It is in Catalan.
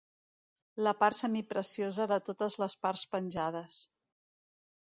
La part semipreciosa de totes les parts penjades.